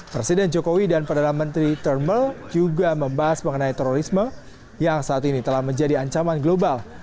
presiden jokowi dan perdana menteri turn mell juga membahas mengenai terorisme yang saat ini telah menjadi ancaman global